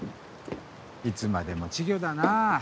いつまでも稚魚だなぁ。